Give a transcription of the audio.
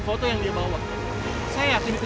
mbak gafi udah mau bantuin saya